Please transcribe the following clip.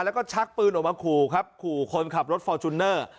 แล้วก็ชักปืนออกมาขู่ครับขู่คนขับรถฟอร์จูเนอร์